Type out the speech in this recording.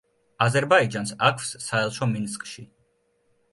აზერბაიჯანს აქვს საელჩო მინსკში.